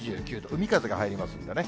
海風が入りますんでね。